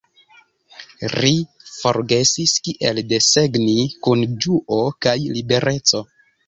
Ri forgesis kiel desegni kun ĝuo kaj libereco.